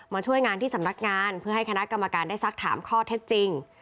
ช่วยงานที่สำนักงานเพื่อให้คณะกรรมการได้สักถามข้อเท็จจริง